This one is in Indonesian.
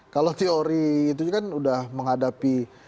kalau teori itu kan udah menghadapi